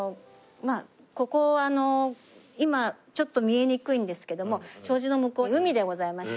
ここ今ちょっと見えにくいんですけども障子の向こう海でございまして。